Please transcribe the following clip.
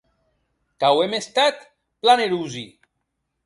Qu’auem estat plan erosi.